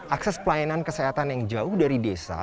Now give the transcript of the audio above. akses pelayanan kesehatan yang jauh dari desa